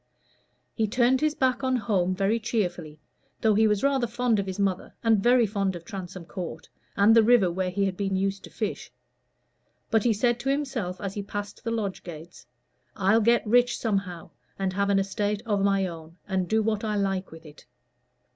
He turned his back on home very cheerfully, though he was rather fond of his mother, and very fond of Transome Court, and the river where he had been used to fish; but he said to himself as he passed the lodge gates, "I'll get rich somehow, and have an estate of my own, and do what I like with it."